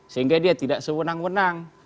sehingga dia tidak sewenang wenang